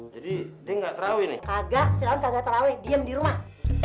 jadi enggak terawih enggak diam di rumah